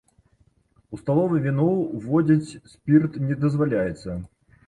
У сталовае віно ўводзіць спірт не дазваляецца.